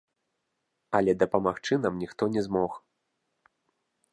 Але дапамагчы нам ніхто не змог.